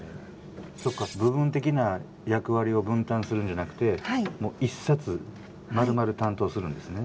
そっか部分的な役割を分担するんじゃなくてもう１冊まるまる担当するんですね。